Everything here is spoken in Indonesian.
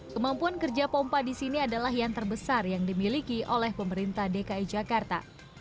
kemampuan kerja pompa di sini adalah yang terbesar yang dimiliki oleh pemerintah dki jakarta